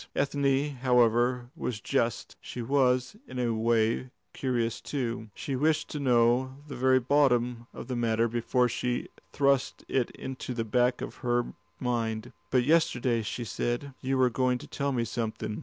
Ethne, however, was just; she was in a way curious too: she wished to know the very bottom of the matter before she thrust it into the back of her mind. "But yesterday," she said, "you were going to tell me something.